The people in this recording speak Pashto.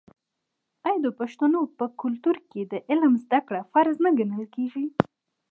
آیا د پښتنو په کلتور کې د علم زده کړه فرض نه ګڼل کیږي؟